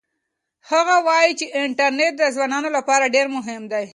هغه وایي چې انټرنيټ د ځوانانو لپاره ډېر مهم دی.